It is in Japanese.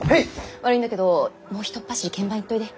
悪いんだけどもうひとっ走り見番行っといで。